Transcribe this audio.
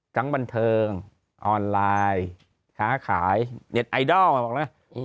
ทั้งบันเทิงออนไลน์ข้าขายเน็ตไอดอลบอกแล้วนะ